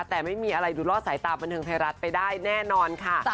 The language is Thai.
แต่ไม่มีอะไรดูรอดสายตาบันเทิงไทยรัฐไปได้แน่นอนค่ะ